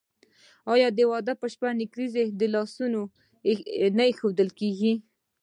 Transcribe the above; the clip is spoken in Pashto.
آیا د واده په شپه نکریزې په لاسونو نه کیښودل کیږي؟